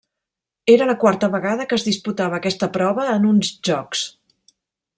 Era la quarta vegada que es disputava aquesta prova en uns Jocs.